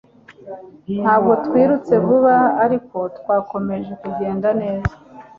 Ntabwo twirutse vuba, ariko twakomeje kugenda neza.